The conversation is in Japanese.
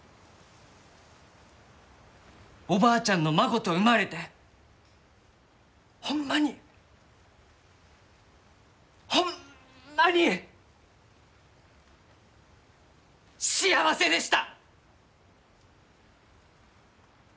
おばあちゃんの孫と生まれてホンマにホンマに幸せでした！